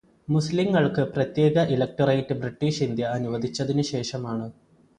മുസ്ലിങ്ങള്ക്ക് പ്രത്യേക electorate British India അനുവദിച്ചതിനു ശേഷമാണ്